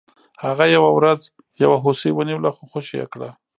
هغه یوه ورځ یو هوسۍ ونیوله خو خوشې یې کړه.